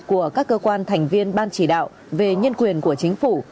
của các cơ quan thành viên ban chỉ đạo về nhân quyền của chính phủ